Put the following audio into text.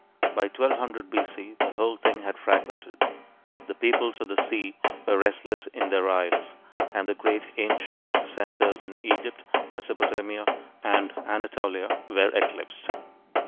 By 1200 B.C., the whole thing had fragmented: "the peoples of the sea were restless in their isles," and the great ancient centers in Egypt, Mesopotamia, and Anatolia were eclipsed.